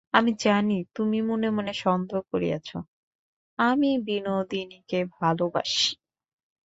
আমি জানি, তুমি মনে মনে সন্দেহ করিয়াছ, আমি বিনোদিনীকে ভালোবাসি।